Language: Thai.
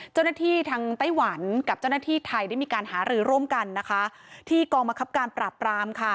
เจ้าหน้าที่ทางไต้หวันกับเจ้าหน้าที่ไทยได้มีการหารือร่วมกันนะคะที่กองบังคับการปราบรามค่ะ